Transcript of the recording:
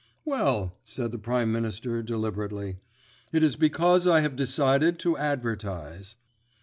"Well," said the Prime Minister deliberately, "it is because I have decided to advertise."